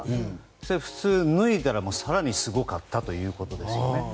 それを脱いだら更にすごかったということですよね。